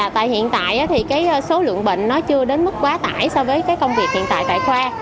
tại hiện tại thì cái số lượng bệnh nó chưa đến mức quá tải so với cái công việc hiện tại tại khoa